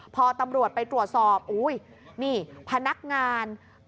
พอตำรวจไปตรวจสอบพนักงาน